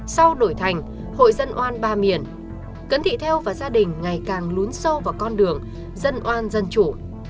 sau đổi thành hội dân oan ba miền cận thị theo và gia đình ngày càng lún sâu vào con đường dân oan dân chủ